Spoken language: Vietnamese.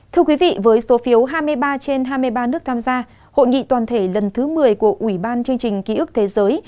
thưa quý vị với số phiếu hai mươi ba trên hai mươi ba nước tham gia hội nghị toàn thể lần thứ một mươi của ủy ban chương trình ký ức thế giới